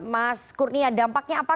mas kurnia dampaknya apa